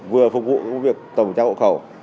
vừa phục vụ công việc tổng chắc hộ khẩu